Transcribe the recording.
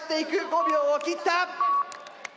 ５秒を切った！